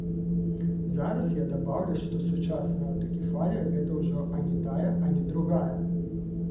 Зараз я дабаўлю, што сучасная аўтакефалія гэта ўжо ані тая, ані другая.